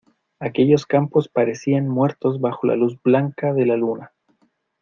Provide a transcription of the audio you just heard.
aquellos campos parecían muertos bajo la luz blanca de la luna: